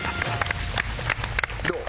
どう？